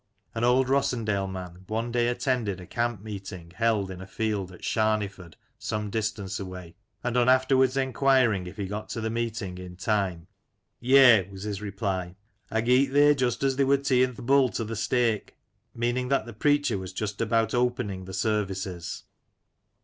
An old Rossendale man one day attended a camp meeting held in a field at Sharneyford some distance away, and on afterwards enquiring if he got to the meeting in time :" Yea," was his reply, " I geet theer just as they wur teein' th' bull to th' stake." Meaning that the preacher was just about opening the services.